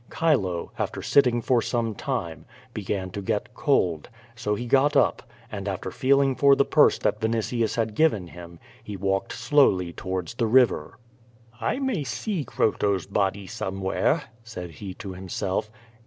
Chilo, after sitting for some time, began to get cold, 80 he got up, and after feeling for the purse that V'initius had given him, he walked slowly towards the river. "I may see Croto's body somewhere," said he to himself.